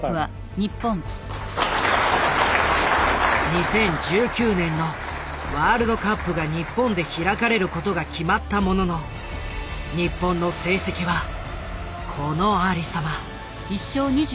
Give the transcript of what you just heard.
２０１９年のワールドカップが日本で開かれることが決まったものの日本の成績はこのありさま。